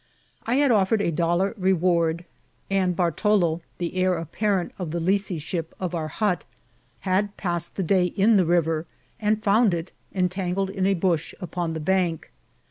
I had offered a dollar reward, and Bartalo, the heir apparent ot the lesseeship of our hut, had passed the day in the river, and found it entan^^ in a bush upon the bank.